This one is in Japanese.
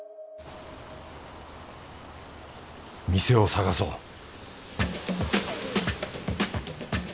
店を探そう